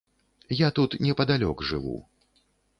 Я тут непадалёк жыву.